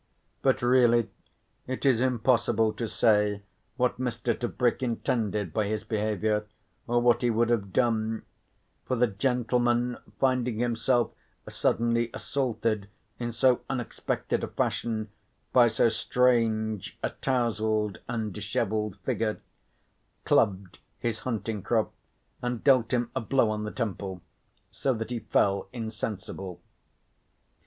But really it is impossible to say what Mr. Tebrick intended by his behaviour or what he would have done, for the gentleman finding himself suddenly assaulted in so unexpected a fashion by so strange a touzled and dishevelled figure, clubbed his hunting crop and dealt him a blow on the temple so that he fell insensible.